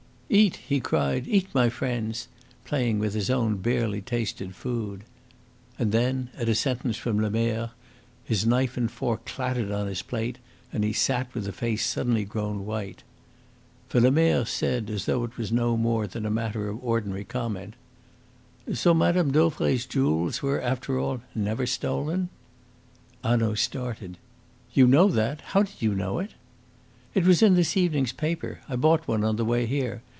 "Eat," he cried "eat, my friends," playing with his own barely tasted food. And then, at a sentence from Lemerre, his knife and fork clattered on his plate, and he sat with a face suddenly grown white. For Lemerre said, as though it was no more than a matter of ordinary comment: "So Mme. Dauvray's jewels were, after all, never stolen?" Hanaud started. "You know that? How did you know it?" "It was in this evening's paper. I bought one on the way here.